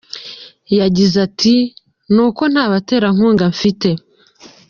Yagize ati “Ni uko nta baterankunga mfite.